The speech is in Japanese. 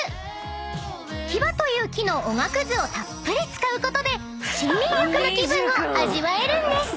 ［ヒバという木のおがくずをたっぷり使うことで森林浴の気分を味わえるんです］